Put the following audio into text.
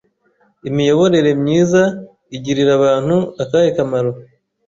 Imiyoborere myiza igirira abantu akahe kamaro